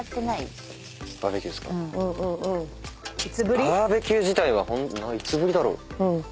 バーベキュー自体がいつぶりだろ？